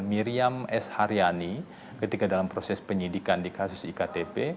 miriam s haryani ketika dalam proses penyidikan di kasus iktp